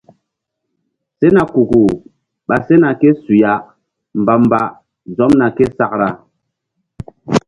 Sena kuku ɓa sena ké su ya mbamba zomna ké sakra.